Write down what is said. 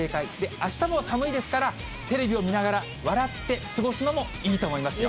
あしたも寒いですから、テレビを見ながら、笑って過ごすのもいいと思いますよ。